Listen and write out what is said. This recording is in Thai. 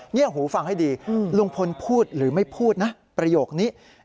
เงียบหูฟังให้ดีลุงพลพูดหรือไม่พูดนะประโยคนี้